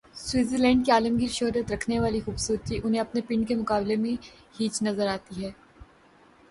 Switzer land کی عالمگیر شہرت رکھنے والی خوب صورتی انہیں اپنے "پنڈ" کے مقابلے میں ہیچ نظر آتی ہے۔